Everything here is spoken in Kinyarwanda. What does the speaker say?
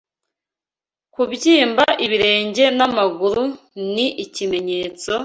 Kubyimba ibirenge n’amaguru ni ikimenyetso